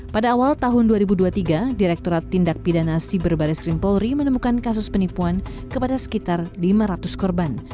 pada awal tahun dua ribu dua puluh tiga direkturat tindak pidana siber baris krim polri menemukan kasus penipuan kepada sekitar lima ratus korban